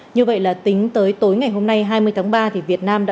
như vậy là tính tới tối ngày hôm nay hai mươi tháng ba